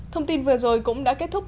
thông tin vừa rồi cũng đã kết thúc